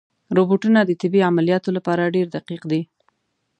روبوټونه د طبي عملیاتو لپاره ډېر دقیق دي.